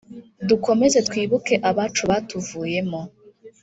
Dukomeze twibuke abacu batuvuyemo